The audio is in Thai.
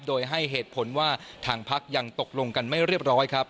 โดยให้เหตุผลว่าทางพักยังตกลงกันไม่เรียบร้อยครับ